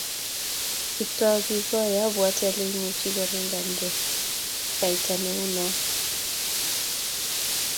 Kiptooo kikoi abwat ale imuchi korikenongei kaita neoo neuu noee